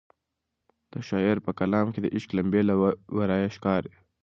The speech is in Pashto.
د شاعر په کلام کې د عشق لمبې له ورایه ښکاري.